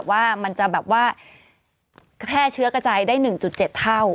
ว่ามันจะแบบว่าแพร่เชื้อกระจายได้๑๗เท่า